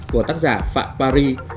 của tác giả phạm paris